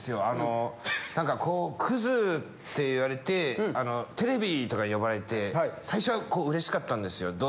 あのなんかこうクズって言われてテレビとかに呼ばれて最初はうれしかったんですよ。